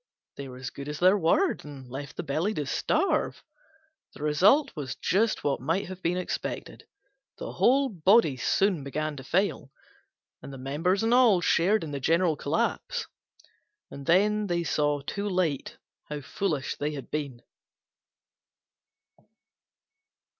They were as good as their word, and left the Belly to starve. The result was just what might have been expected: the whole Body soon began to fail, and the Members and all shared in the general collapse. And then they saw too late how foolish they had been.